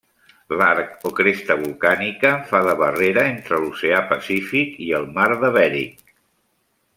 L'arc o cresta volcànica fa de barrera entre l'Oceà Pacífic i el Mar de Bering.